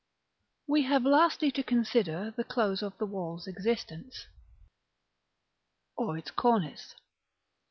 § I. We have lastly to consider the close of the wall's existence, or its cornice.